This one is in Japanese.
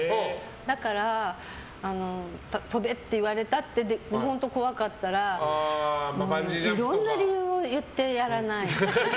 だから、飛べって言われたって本当に怖かったらいろんな理由を言ってやらないですね。